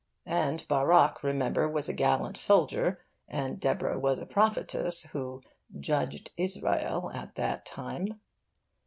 And Barak, remember, was a gallant soldier, and Deborah was a prophetess who 'judged Israel at that time.